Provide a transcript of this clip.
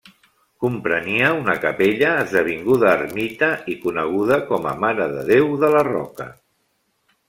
Comprenia una capella, esdevinguda ermita i coneguda com a Mare de Déu de la Roca.